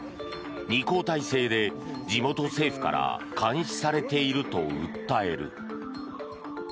２交代制で地元政府から監視されていると訴える。